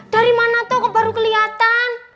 dari mana tau baru keliatan